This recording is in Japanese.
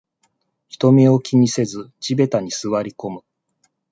人目を気にせず地べたに座りこむ